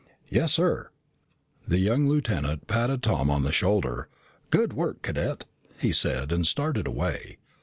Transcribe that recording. "Yes, sir." The young lieutenant patted Tom on the shoulder. "Good work, Cadet," he said and started away.